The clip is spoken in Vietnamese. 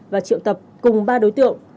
và triệu tập cùng ba đối tượng